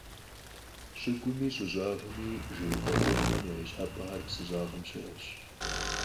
ЩӀыгуми, щӀы щӀагъми жеипӀэ гъуэгухэм я ипщхьэпӀэхэр псы щӀагъым щыӀэщ.